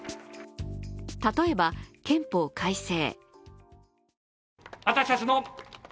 例えば憲法改正。